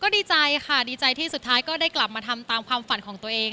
ดีใจค่ะดีใจที่สุดท้ายก็ได้กลับมาทำตามความฝันของตัวเอง